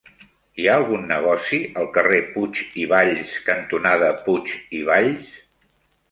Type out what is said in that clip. Hi ha algun negoci al carrer Puig i Valls cantonada Puig i Valls?